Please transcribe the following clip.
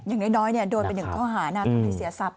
อย่างน้อยโดยเป็นหนึ่งข้อหาน่าทำให้เสียทรัพย์